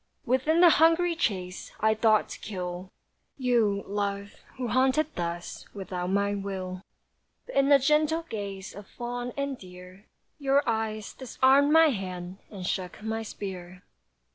Within the hungry chase I thought to kill You, love, who haunted thus Without my will, But in the gentle gaze Of fawn and deer, Your eyes disarmed my hand, And shook my spear.